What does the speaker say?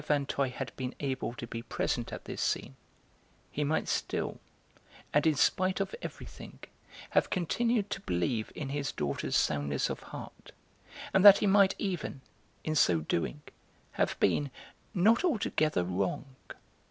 Vinteuil had been able to be present at this scene, he might still, and in spite of everything, have continued to believe in his daughter's soundness of heart, and that he might even, in so doing, have been not altogether wrong.